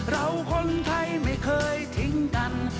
เราคนไทยไม่เคยทิ้งกัน